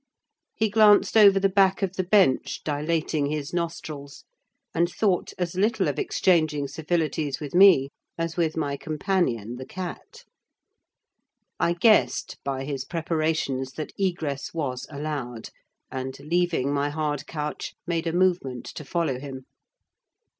He glanced over the back of the bench, dilating his nostrils, and thought as little of exchanging civilities with me as with my companion the cat. I guessed, by his preparations, that egress was allowed, and, leaving my hard couch, made a movement to follow him.